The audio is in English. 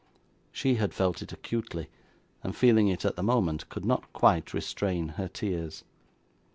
She had felt it acutely, and feeling it at the moment, could not quite restrain her tears.